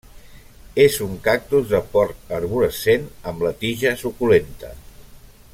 És un cactus de port arborescent, amb la tija suculenta.